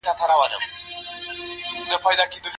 استاد به په خپلو مرکو کې تل د ادب په اهمیت ټینګار کاوه.